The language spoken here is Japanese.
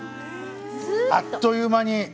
あっという間に。